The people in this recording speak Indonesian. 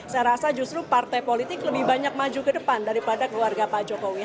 saya rasa justru partai politik lebih banyak maju ke depan daripada keluarga pak jokowi